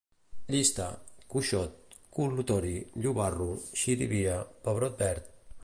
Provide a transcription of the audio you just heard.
Llista: cuixot, col·lutori, llobarro, xirivia, pebrot verd